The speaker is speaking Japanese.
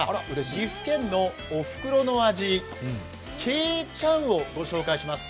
岐阜県のおふくろの味、けいちゃんをご紹介します。